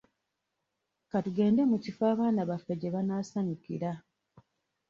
Ka tugende mu kifo abaana baffe gye banaasanyukira